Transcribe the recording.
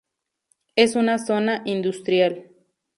Es una zona industrial.